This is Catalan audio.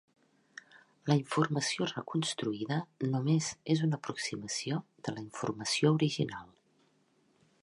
La informació reconstruïda només és una aproximació de la informació original.